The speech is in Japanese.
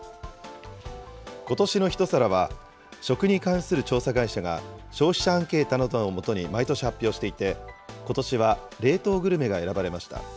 今年の一皿は、食に関する調査会社が、消費者アンケートなどを基に毎年発表していて、ことしは冷凍グルメが選ばれました。